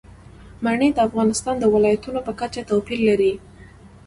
منی د افغانستان د ولایاتو په کچه توپیر لري.